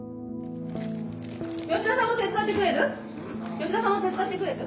吉田さんも手伝ってくれる？